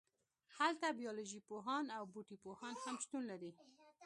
هلته بیالوژی پوهان او بوټي پوهان هم شتون لري